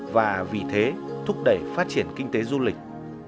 và vì thế thúc đẩy phát triển kinh tế du lịch